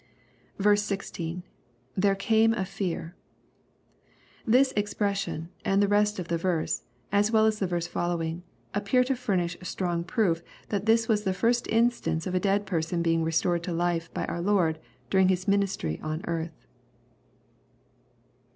16. — [There came a fear.] This expression, and the rest of the verse, as well as the verse following, appear to furnish strong proof that this was the first instance of a dead person being restored to life by our Lord, during His ministry on earth.